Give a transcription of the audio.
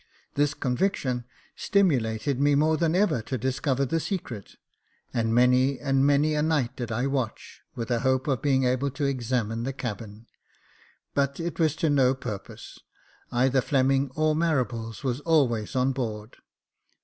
This conviction stimulated me more than ever to discover the secret, and many and many a night did I watch, with a hope of being able to examine the cabin ; but it was to no purpose, either Fleming or Marables was always on board.